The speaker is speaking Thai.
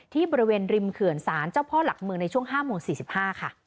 ที่บริเวณริมเขื่อนศาลเจ้าพ่อหลักเมืองในช่วง๕โมง๔๕ค่ะ